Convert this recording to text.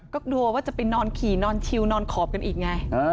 ก็กลัวว่าจะไปนอนขี่นอนชิวนอนขอบกันอีกไง